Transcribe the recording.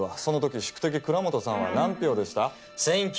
その時宿敵蔵本さんは何票でした？